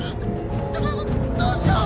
どどどどうしよう！